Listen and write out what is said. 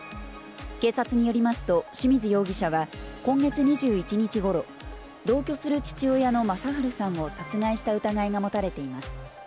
警察によりますと、志水容疑者は今月２１日ごろ、同居する父親の正春さんを殺害した疑いが持たれています。